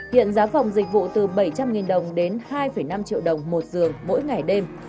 hiện giá phòng dịch vụ từ bảy trăm linh đồng đến hai năm triệu đồng một giường mỗi ngày đêm